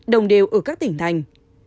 đồng đều ở các tỉnh thành